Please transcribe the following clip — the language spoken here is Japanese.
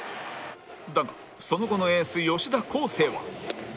だがその後のエース吉田輝星は